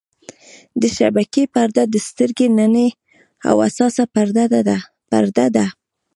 د شبکیې پرده د سترګې نننۍ او حساسه پرده ده.